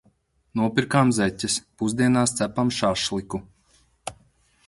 Nopirkām zeķes. Pusdienās cepam šašliku.